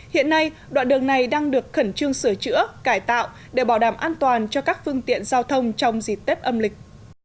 hiện nay đoạn đường này đang được khẩn trương sửa chữa cải tạo để bảo đảm an toàn cho các phương tiện giao thông trong dịp tết âm lịch